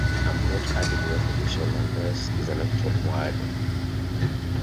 I'm not adding your suggestion unless it's an actual word